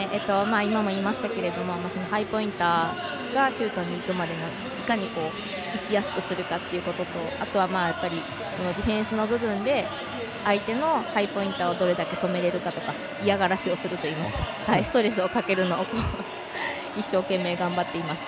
ハイポインターがシュートにいくまでいかに行きやすくするかということとあとは、ディフェンスの部分で相手のハイポインターをどれだけ止められるかとか嫌がらせをするといいますかストレスをかけるのを一生懸命頑張っていました。